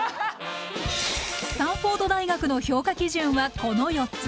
スタンフォード大学の評価基準はこの４つ。